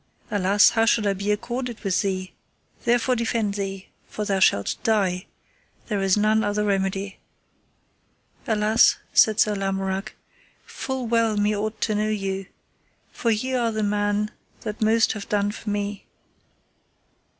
Alas, how should I be accorded with thee; therefore defend thee, for thou shalt die, there is none other remedy. Alas, said Sir Lamorak, full well me ought to know you, for ye are the man that most have done for me.